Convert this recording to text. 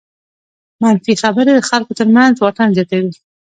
منفي خبرې د خلکو تر منځ واټن زیاتوي.